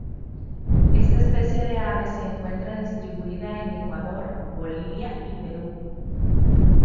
Esta especie de ave se encuentra distribuida en Ecuador, Bolivia y Perú.